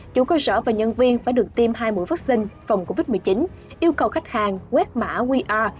chủ cơ sở và nhân viên phải được tiêm hai mũi vaccine phòng covid một mươi chín yêu cầu khách hàng quét mã qr